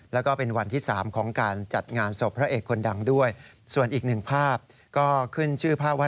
แล้วก็เป็นวันที่๓ของการจัดงานศพพระเอกคนดังด้วยส่วนอีกหนึ่งภาพก็ขึ้นชื่อภาพว่า